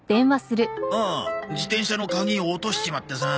うん自転車の鍵落としちまってさ。